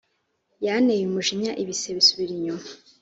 Yaneye umujinya ibise bisubira inyuma